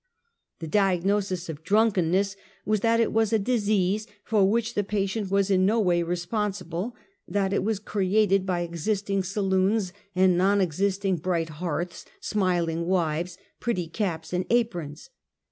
The diagnosis of drunkenness was that it was a disease for which the patient was in no way respons ible, that it was created by existing saloons, and non existing bright hearths, smiling wives, pretty caps and aprons.